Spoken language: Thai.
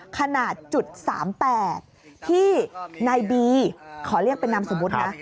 ขนาด๓๘ที่นายบีขอเรียกเป็นนามสมมุตินะ